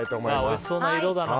おいしそうな色だね。